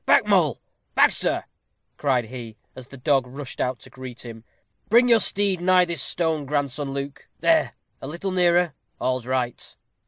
"Back, Mole; back, sir," cried he, as the dog rushed out to greet him. "Bring your steed nigh this stone, grandson Luke there a little nearer all's right."